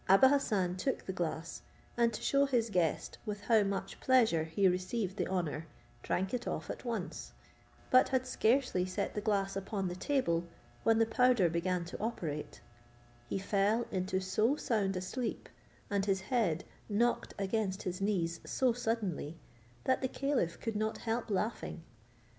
Abou Hassan took the glass, and to shew his guest with how much pleasure he received the honour, drank it off at once; but had scarcely set the glass upon the table, when the powder began to operate; he fell into so sound a sleep, and his head knocked against his knees so suddenly, that the caliph could not help laughing.